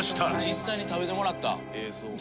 「実際に食べてもらった」。